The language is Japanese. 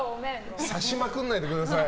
刺しまくらないでください。